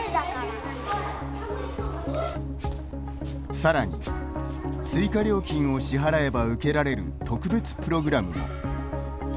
さらに追加料金を支払えば受けられる特別プログラムも。